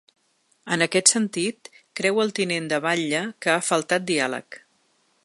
En aquest sentit, creu el tinent de batlle que ha faltat diàleg.